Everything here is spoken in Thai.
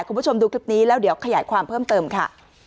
คุณผู้ชมดูคลิปนี้แล้วเดี๋ยวขยายความเพิ่มเติมค่ะ